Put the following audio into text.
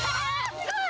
すごい。